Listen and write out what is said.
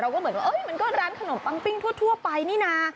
ก็เหมือนว่ามันก็ร้านขนมปังปิ้งทั่วไปนี่นะ